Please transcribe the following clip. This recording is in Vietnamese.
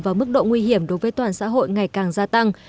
và mức độ nguy hiểm đối với toàn xã hội ngày càng gia tăng